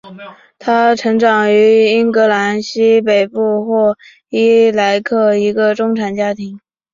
她成长于英格兰西北部霍伊莱克一个中产家庭。